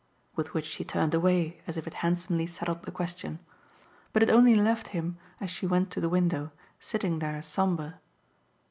With which she turned away as if it handsomely settled the question. But it only left him, as she went to the window, sitting there sombre.